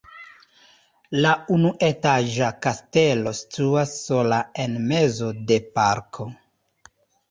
La unuetaĝa kastelo situas sola en mezo de parko.